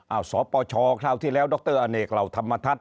เอาสปชคราวที่แล้วดรอเนกเหล่าธรรมทัศน